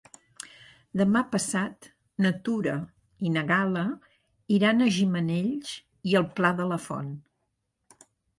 Demà passat na Tura i na Gal·la iran a Gimenells i el Pla de la Font.